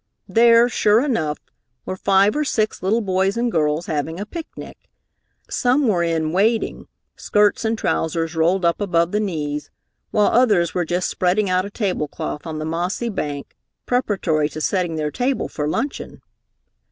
There, sure enough, were five or six little boys and girls having a picnic. Some were in wading, skirts and trousers rolled up above the knees, while others were just spreading out a tablecloth on the mossy bank preparatory to setting their table for luncheon.